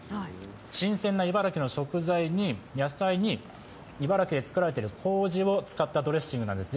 新鮮な茨城の食材、野菜に茨城で作られているこうじを使ったドレッシングなんです。